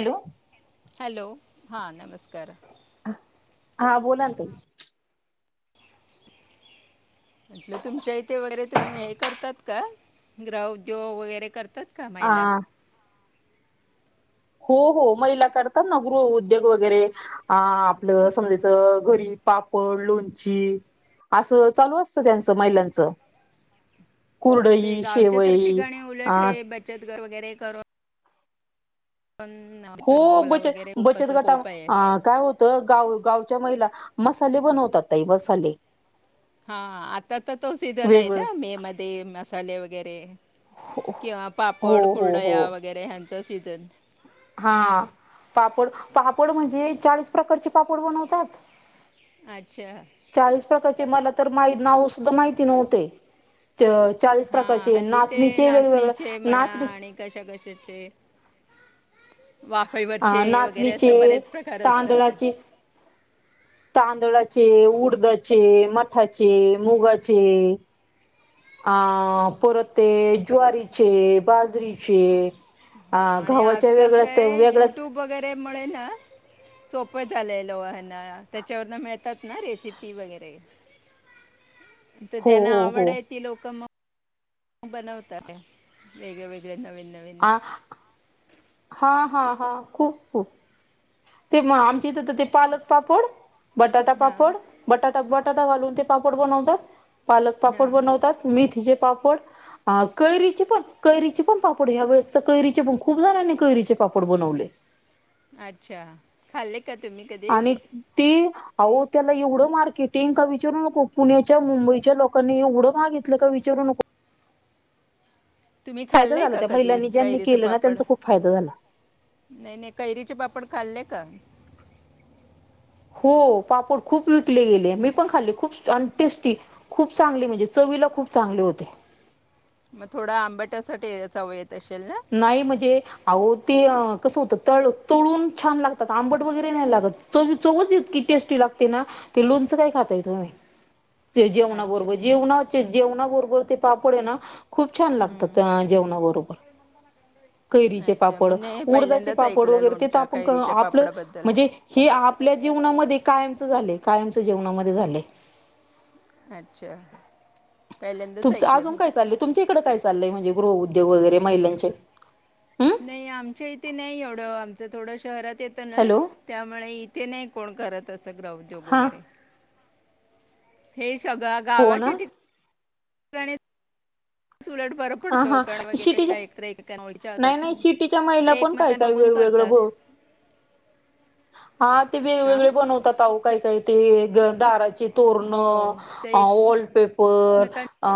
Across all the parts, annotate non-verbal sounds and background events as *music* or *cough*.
Hello hello हा नमस्कार. हा बोला ना ताई. म्हटलं तुमच्या इथे वगैरे तुम्ही हे करतात का ग्रह उद्योग वगैरे करत करतात का महिला. आ हो हो महिला करतात ना गृह उद्योग वगैरे आ आपलं समजायच घरी पापड लोणची असं चालू असतं त्यांचं महिलांचं. रिकामा ऑडिओ ते कुरडई गावच्या सारखी शेवई गाणे उलट अ हे बचत गट वैगरे करून. हो असं उद्योगाला बचत वगैरे खूप बचत असं गटा कोप आहे अ काय होतं गाव गावच्या महिला मसाले बनवतात ताई मसाले. हा आता तर तो सिझन आहे वेगवेग ना मे मध्ये मसाले वगैरे. किंवा हो पापड हो हो कुरडया वगैरे ह्यांच सीजन.. हा. पापड पापड म्हणजे चाळीस प्रकारचे पापड बनवतात. अच्छा. चाळीस प्रकारचे मला तर मा नाव सुद्धा माहिती नव्हते. चाळीस हा प्रकारचे हल्ली ते नाचणीचे वेगवेगळे नाचणीचे म्हणा नाचणी आणि कशा कशाचे अ वाफेवरचे वगैरे नाचणीचे, असं बरेच प्रकार असतात तांदळाचे. तांदळाचे, उडदाचे, मठाचे, मुगाचे. अ परत ते ज्वारीचे बाजरीचे. अ ह आणि गव्हाच्या आजकाल वेगळ्या काय वेगळ्याच युट्यूब वगैरेमुळे ना.. सोपं झालेलो ना त्याच्यावर न मिळतात ना रेसिपी वगैरे. तर हो त्यांना हो आवड हो आहे ती लोक मग बनवताय वेगळे वेगळे नवीन. नवीन आ. हा हा हा खूप खूप ते म आमच्या इथ ते पालक पापड.. बटाटा हां पापड, बटाटा बटाटा घालून ते पापड बनवतात. पालक पापड हां बनवतात मेथीचे.. पापड कैरीचे पण कैरीचे पण पापड ह्यावेळीस तर कैरीचे पण खुपजनानी कैरीचे पापड बनवले. अच्छा खाल्ले. का तुम्ही कधी आणि ती अहो त्याला एवढं मार्केटिंग का विचारू नको पुण्याच्या मुंबईच्या लोकांनी एवढं मागितलं का विचारू नको. तुम्ही फायदा खाल्लय झाला का त्या कधी महिलांनी ज्यांनी कैरीच केलं ना पापड. त्यांचा खूप फायदा झाला नाही नाही कैरीचे पापड.. खाल्ले का? हो पापड खूप विकले गेले मी पण खाल्ली खूप अनटेस्टी खूप चांगली म्हणजे चवी खूप चांगले होते. रिकामा ऑडिओ मग थोडा आंबट्यासाठी *unintelligible* नाही म्हणजे आहो ते... कसं होतं तळ तळून छान लागतात आंबट वगैरे नाही लागत चवी चवच इतकी टेस्टी लागते ना. ते लोणचं काय खाताय तुम्ही? जेवणा अच्छा बरोबर जेवणा जेवणा बरोबर ते पापड आहे ना... खूप छान लागतात जेवणाबरोबर. रिकामा ऑडिओ कैरीचे पापड उडदाचे पापड वगैरे ते तर लोणच्या आपण कैरीच्या आपलं पापडाबद्दल म्हणजे हे आपल्या जे जेवणामध्ये कायमच झाले कायमच जेवणामध्ये झाले. अच्छा पहिल्यांदाच तुम ऐकलं अजून मी काय चालय तुमच्या इकडे काय चालय म्हणजे गृह उद्योग वगैरे महिलांचे? हम्म नाही आमच्या इथे नाही एवढं आमचं थोडं शहरात येतं ना हॅलो त्यामुळे इथे नाही कोण करत असं ग्रहद्योग हा वगैरे. हे सगळं हो ना गावाचे ठिका उलट बर हा पडतो हा कारण बे कशा शिटीच्या एकत एकेक ओळच्या नाही होतात ना ते एकमेकां बघू प्रभू. रिकामा ऑडिओ हा ते वेगवेगळे बनवतात आओ काय काय. ते दाराचे तोरण हो ते अ वॉलपेपर एकमेकांच्या अ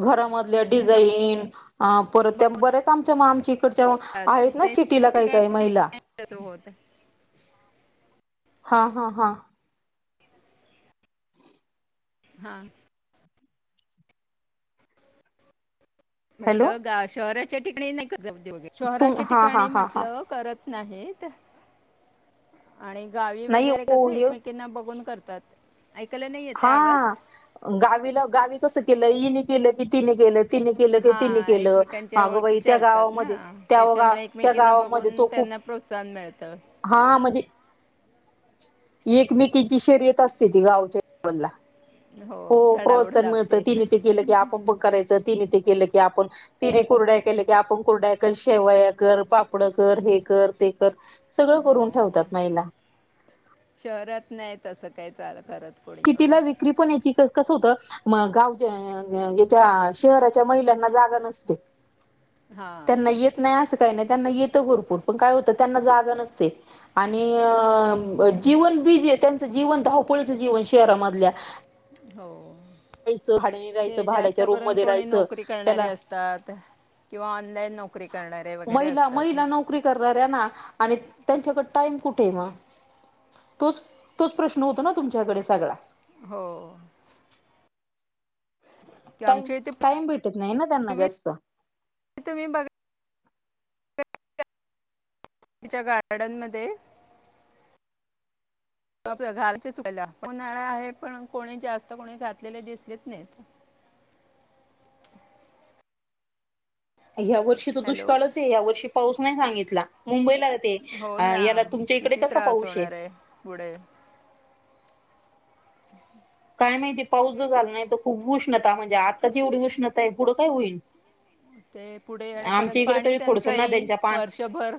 घरामधल्या डिझाईन परत बघून बरेच आमच्या मागे ड करतात आहेत ना ते शिटीला काही ठिकाणी काही महिला. नाही तसं होत हा हा हा. हा. हॅलो म्हटलं ग शहराच्या ठिकाणी नाही करत तुम शहराच्या हा हा ठिकाणी हा हा म्हटलं करत नाहीत आणि गावी नाही वगैरे हो कस हे एकमेकांना बघून करत तात. हा गावीला गावी कस केलं इईने केलं की तिने केलं ति केलं क तिने हा केलं एकमेकांच्या माग बाई ओळखीच्या त्या असतात ना गावामध्ये त्या त्याच्यामुळे त्या एकमेकींना गावामध्ये बघून तो खूप त्यांना प्रोत्साहन मिळतं. हा म्हजे *unintelligible* एकमेकीची शर्यत असते ती गावच्या जवला हो चढावड प्रोत्साहन मिळतं लागते तिने ते केलं की आपण पण करायचं तिने ते केल की आपण तिने करड्या के की आप कुरड्या कर शेवया कर पाप कर हे कर ते सगळं हो करून ठेवतात महीला. शहरात नाही तसं काय चालं करत. कोणी एवढे कितीला विक्री पण याचीत. कस होत म गावच्या शहराच्या महिलांना जागा नसते हां त्यांना येत नाही असं काही नाही त्यांना येत भरपूर पण काय होत त्यां जाग नसते आणि जीवन भी त्यांचं जीवन धवपोळीचं जीवन शहरामधल्या हो. यचं हाडनी राहायचं ते जास्त भाड्याच्या रूम करून मध्ये कोणी राहायचं नोकरी करणारे त्याना असतात किंवा ऑनलाईन नोकरी करणारे वगैरे महिला असतात महिला नोकरी करणारऱ्या ना आणि त्यांच्याकडे टाइम कुठे मग तोच तोच प्रश्न होतो ना तुमच्याकडे सगळा हो की टा आमच्या इथे टाईम भेटत नाही ना त्यांना पूर्वी जास्त. तुम्ही बघा तिच्या गार्डन मध्ये घालचे चुकला उन्हाळा आहे पण कोणी जास्त कोणी घातलेले दिसलेत नाहीत. *unintelligible* या वर्षी तो हॅलो दुष्काळच आहे या वर्षी पाऊस नाही सांगितला हो मुंबईला ना याला तुमच्या इकडे किती कसा त्रास पाऊश ये. होणार आहे पुढे *unintelligible* काय माहिती पाऊसच झाल नाही तर खूप उष्णता म्हणजे आताची एवढी उष्णता आहे पुढं काय होईल. ते पुढे आणि परर्यंत आमच्या इकडे पाणी तरी थोडसं त्यांचही नद्यांच्या पाण्या वर्षभर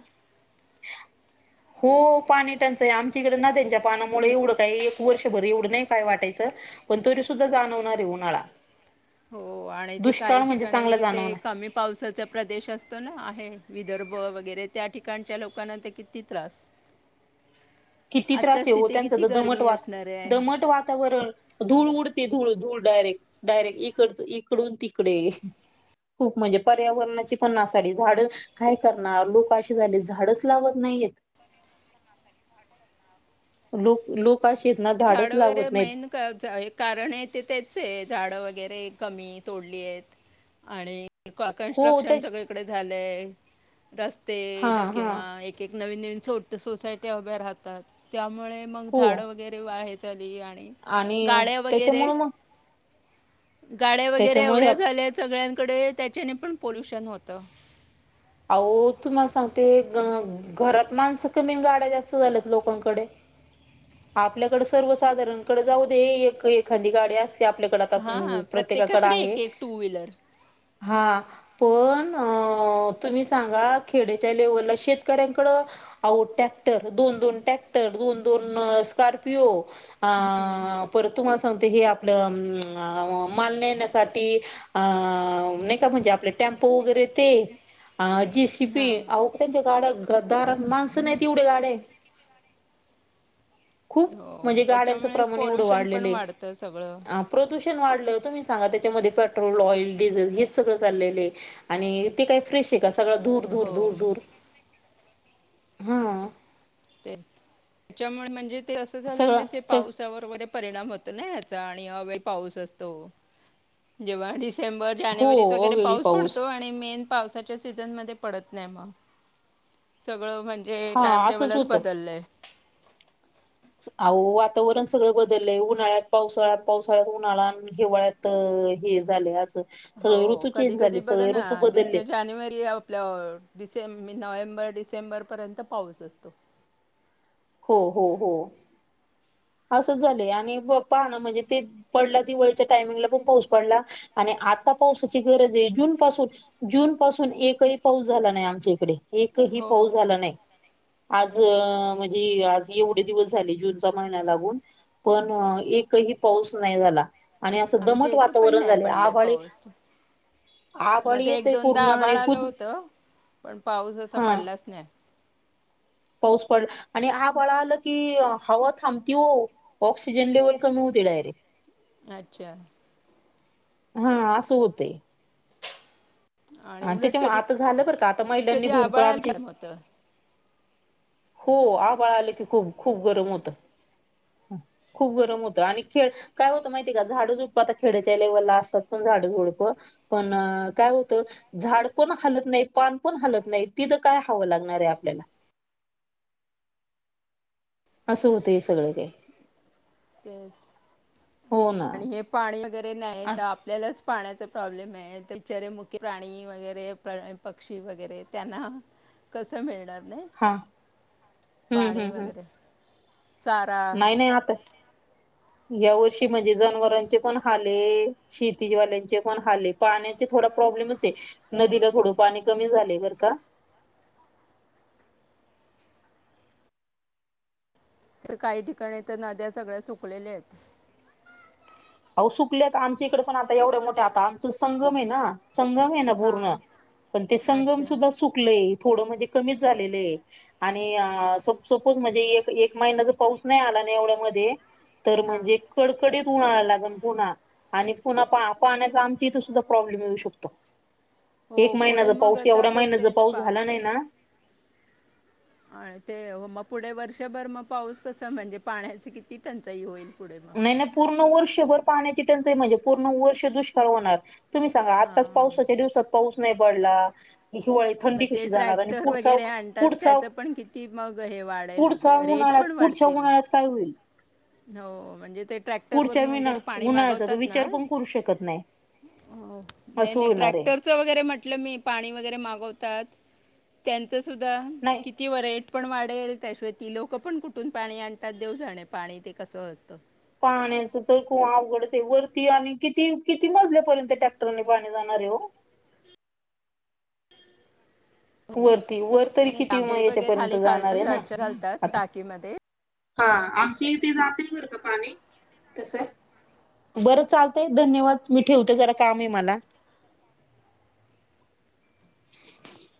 हो पाणी टंचाई आमच्या इकडे ना त्यांच्या पानामुळे एवढं काय एक वर्षभर एवढं नाही काय वाटायचं. पण तुरी सुद्धा जाणवणार आहे उन्हाळा. हो आणि ते काही दुष्काळ म्हणजे ठिकाणी चांगला जिथे जाणवणार कमी पावसाचा प्रदेश असतो ना आहे विदर्भ वगैरे त्या ठिकाणच्या लोकांना ते किती त्रास किती त्रास आत्ताच आहेव तिथे त्यांच किती द गरमी दमटवाद असणार आहे दमट वातावरण धूळ उड ते धूळ धूळ डायरेक्ट डायरेक्ट इकड इकडून तिकडे खूप म्हणजे पर्यावरणाची पण ना साडी झाड काय करणार लोक असे झाले झाडच लावत नाहीयेत क नासा झाड लोक लोक अशी आहेत ना झाडच झाडं वगैरे लावत नाहीत मेन कारण आहे ते त्याच आहे झाड वगैरे वगैरे कमी तोडली आहेत आणि हो ते कन्स्ट्रक्शन सगळीकडे झालंय रस्ते हा ल हा किंवा एक एक नवीन नवीन छोट सोसायटी अभ्या राहतात त्या मुळे मग हो झाड वगैरे वाहाय आली आणि गाड्या वगैरे त्याच्यामुळे मग गाड्या वगैरे त्याच्यामुळे ह्या एवढ्या झाल्या आहेत सगळ्यांकडे त्याच्याने पण पोलोल्युशन होतं अह तुम्हाला सांगते घरात माणसं कमी गाड्या जास्त झाल्यात लोकांकडे आपल्याकडे सर्वसाधारणकडे जाऊ दे एक एखादी गाडी असते ते आपल्याकडे आता हां प्रत्येकाकडे आहे एक एक टू व्हीलर हा पण तुम्ही सांगा खेड्याच्या लेवलला शेतकऱ्यांकड आहो टॅक्टर दोन दोन टॅक्टर दोन दोन स्कारपिओ परत तुम्हाला सांगते हे आपलं. माल नण्यासाठी अ नाही का म्हणजे आपले टेम्पो वगैरे ते अ जी शिपी हां अह त्यांच गाड दार माणसं नाही तेवढे गडे हो त्याच्यामुळेच पॉल्युशन पण वाढतं सगळ हा प्रदूषण वाढलंत् सांगा त्याच्यामध्ये पेट्रोल ऑल डिझेल हेच सगळं चालले आहे आणि ते काही फ्रे श सगळं दूर दूर हो दूर दूर हा. ते त्याच्यामुळे म्हणजे ते असं झाल्यामुळे सगळा ते स पावसावर वगैरे परणाम होत याचा आणि अ पाऊस असतो जे्हा डिसेंबर हो जानेवारीत वगैरे अवेळी पाऊस पडतो आणि मेन पावसाच्या सीझनमध्ये पडत नाही मग सगळं म्हणजे हा असंच टाइमटेबलच बदलले अह वातावरण सगळं बदललंय उन्हाळ्यात पावसाळ पावसाळ्यात उन्हाळ्या हिवाळ्यात हे झाले असं हो सगळे ऋतू कधी चेंज कधी झाले बघ सगळे ना ऋतू बदललेत जानेवारी आपल्या डिसे म नोव्हेंबर डिसेंबर पर्यंत पाऊस असतो हो हो हो असं झालं आणि पाह ना म्हणजे ते पडला दिवळीच्या टायमिंगला पण पोहच पडला आणि आता पावसाची गरज आहे जून पासून जून पासून एकही पाऊस झाला नाही आमच्या इकडे एकही हो पाऊस झाला नाही आज म्हणजे आज एवढे दिवस झाले जूनच्या महिना्या लागून पण एकही पाऊस नाही झाला आणि असं आमच्या दमट इथे पण वातावरण नाही झाले पडलाय आभळी पाऊस आ पळी मध्ये एक ते दोनदा पूर्ण आणि आभाळ आलं कुद होतं पण पाऊस असा पडलाच नाही पाऊस पडला आणि आ बाळा आलं की हवा थांबती हो ऑक्सिजन लेवल कमी होते डायरेक्ट अच्छा हा असं होतय. आणि उलट त्याच्यामुळे कधी आता झालं बर का आता महिलांनी कधी भुरपूर आबाळाला आमची काम होतं हो आबाळ आलं की खूप खूप गरम होतं खूप गरम होत आणि खेळ काय होत माहितीय का झाड झुड आता खेडच्या लेवलला असतात पण पण काय होत झाड पण हलत नाही पा पण हत नाही त काय हवं लागणार आहे आपल्याला. *unintelligible* असं होतय सगळं काय. तेच आणि हे पाणी वगैरे नाही तर अस आपल्यालाच पाण्याचा प्रॉब्लेम आहे बचारे मुख्य प्राणी वगैरे पक्षी वगैरे त्यांना कसं मिळणार. नाही हा हम्म पाणी हम्म हम्म. वगैरे चारा नाही नाही आता या वर्षी म्हणजे जनावरांचे पण हले शेतीवाल्यांचे पण हले पाण्याचे थोड प्रॉब्लेम आहे नदीला थोडं पाणी कमी झाले बर का *unintelligible* तर काही ठिकाणी तर नद्या सगळ्या सुकलेल्या आहेत. अहो सुकल्यात आमच्या इकडे पण आता एवढ्या मोठ्या आता आमच संगम आहे ना संगम आहे ना पूर्ण हां पण ते संगम अच्छा सुद्धा सुकले थोड म्हणजे कमीच झाले आणि सपोज म्हणजे महिना पाऊस नाही आला व तर हां म्हणजे कडकडीत उ्हा पुन्हा आणि पुन्हा पाहण्याचा आमच्या इथ सुद्धा प्रॉब्लेम येऊ शकतो हो एक पुढे महिन्याचा मग पाऊस आता एवढ्या ते- महिन्याचा तेच पाऊस पा झाला नाही ना आणि ते मग पुढे वर्षभर मग पाऊस कस म्हणजे पाण्याची किती टंचाई होईल पुढे नाही मग नाही पूर्ण वर्षभर पाण्याची टंचाई म्हणजे पूर्ण वर्ष दुष्काळ होणार तुम्ही सांगा आत्ताच हां पावसाच्या दिवसात पाऊस नाही पडला हिवाळी मग थंडी ते कशी जाणार आणि ट्रॅक्टर पुढचा वगैरे आणतात पुढचा त्याचं पण किती मग हे वाढेल रेट पुढचान पण पुढच्या वाढतील मनळ्यास काय होईल हो म्हणजे ते ट्रॅक्टर पुढच्या वून विना वगैरे पाणी उन्हाळ्याचा तर मागवतात ना विचार पण करू शकत नाही हो नाही असं नाही होणार आहे ट्रॅक्टरच वगैरे म्हटलं मी पाणी वगैरे मागवतात त्यांचं सुद्धा नाही किती वर आहे पण वाढेल त्याशिवाय ती लोकं पण कुठून पाणी आणतात देव जाणे पाणी ते कसं असतं पाण्याच तर खूप अवघडच आहे वरती आणि किती किती मजल्यापर्यंत ट्रॅक्टरने पाणी जाणार आहे हो *inaudible* वरती वर नाही तरी नाही, कितीमा तांबे वगैरे याच्यापर्यंत खाली जाणार खालच्या आहे ना साईडच्या घालतात आता टाकीमध्ये हा आमच्या इथे जाते बर का पाणी तस बरं चालतंय धन्यवाद मी ठेवते जरा काम आहे मला *inaudible*